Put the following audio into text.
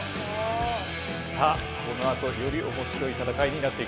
さあこのあとより面白い戦いになっていきそうです。